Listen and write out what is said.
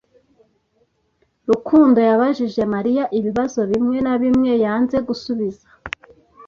Rukundo yabajije Mariya ibibazo bimwe na bimwe yanze gusubiza.